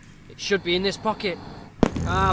It should be in this pocket. Ah!